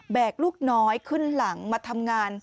กลูกน้อยขึ้นหลังมาทำงาน